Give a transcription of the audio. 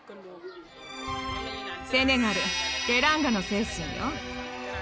セネガル「テランガ」の精神よ。